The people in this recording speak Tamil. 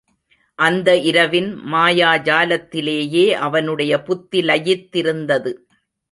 அந்த இரவின் மாயாஜாலத்திலேயே அவனுடைய புத்தி லயித்திருந்தது.